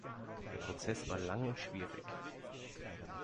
Der Prozess war lang und schwierig.